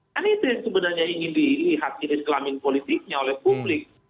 kan itu yang sebenarnya ingin dilihat jenis kelamin politiknya oleh publik